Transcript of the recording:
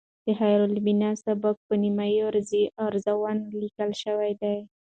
د خیرالبیان سبک په نیم عروضي اوزانو لیکل شوی دی.